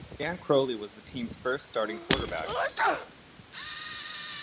Dan Crowley was the team's first starting quarterback.